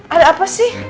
ada apa sih